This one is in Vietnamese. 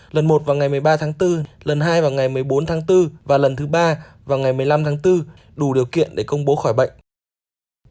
lần một vào ngày một mươi ba tháng bốn lần hai vào ngày một mươi bốn tháng bốn và lần thứ ba vào ngày một mươi năm tháng bốn đủ điều kiện để công bố khỏi bệnh